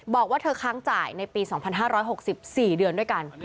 บอกว่าเธอค้างจ่ายในปี๒๕๖๔เดือนด้วยกัน